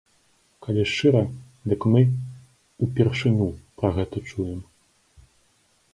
Калі шчыра, дык мы упершыню пра гэта чуем.